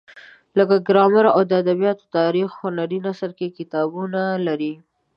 لکه ګرامر او د ادبیاتو تاریخ هنري نثر کې کتابونه لري.